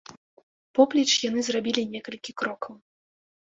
Поплеч яны зрабілі некалькі крокаў.